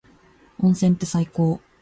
温泉って最高。